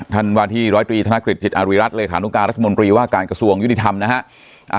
ท่านวาธิร้อยตรีธนคริสต์จิตอรีรัฐเลยคานุการัฐมนตรีว่าการกระทรวงยุนิธรรมนะฮะ